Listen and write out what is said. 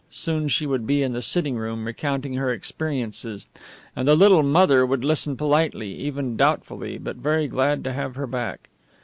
Soon she would be in the sitting room recounting her experiences; and the little mother would listen politely, even doubtfully, but very glad to have her back.